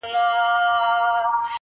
د دنیا له هر قدرت سره په جنګ یو!